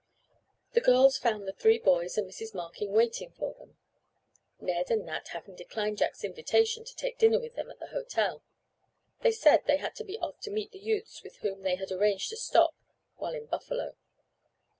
The girls found the three boys and Mrs. Markin waiting for them, Ned and Nat having declined Jack's invitation to take dinner with him at the hotel. They said they had to be off to meet the youths with whom they had arranged to stop while in Buffalo.